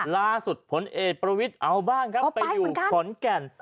ลักษุผลเอกประวิทย์เอาบ้างครับไปสกัดขนแก่น